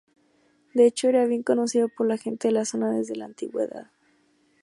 De hecho, era bien conocido por la gente de la zona desde la antigüedad.